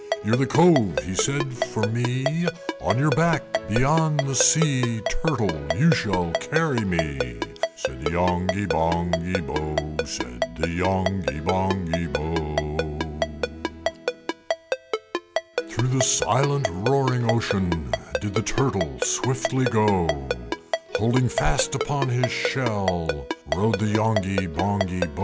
"You're the Cove," he said, "for me; On your back beyond the sea, Turtle, you shall carry me!" Said the Yonghy Bonghy Bò, Said the Yonghy Bonghy Bò. IX. Through the silent roaring ocean Did the Turtle swiftly go; Holding fast upon his shell Rode the Yonghy Bonghy Bò.